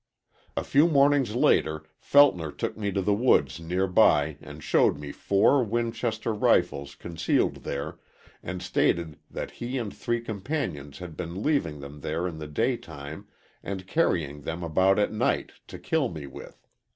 "A few mornings later Feltner took me to the woods near by and showed me four Winchester rifles concealed there, and stated that he and three companions had been leaving them there in the day time and carrying them about at night to kill me with.